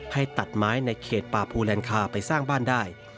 ให้ตัดไม้ในเขตป่าภูแลนคาไปสร้างบ้านได้